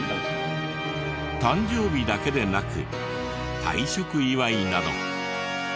誕生日だけでなく退職祝いなど。